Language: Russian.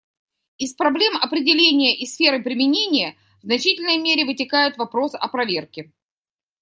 Из проблем определения и сферы применения в значительной мере вытекает вопрос о проверке.